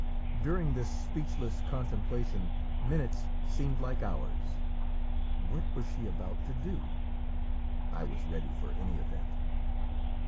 During this speechless contemplation minutes seemed like hours. What was she about to do? I was ready for any event.